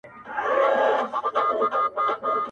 كډي كوم وطن ته وړي دا كور خرابي!